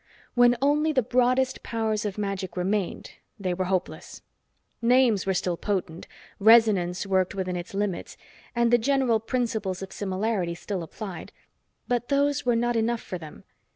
When only the broadest powers of magic remained, they were hopeless. Names were still potent, resonance worked within its limits, and the general principles of similarity still applied; but those were not enough for them.